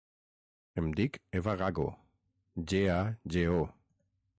Em dic Eva Gago: ge, a, ge, o.